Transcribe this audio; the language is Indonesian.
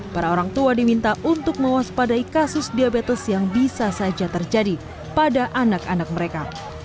para orang tua diminta untuk mewaspadai kasus diabetes yang bisa saja terjadi pada anak anak mereka